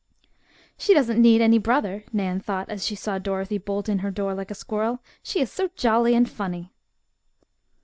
"She doesn't need any brother," Nan thought as she saw Dorothy bolt in her door like a squirrel; "she is so jolly and funny!"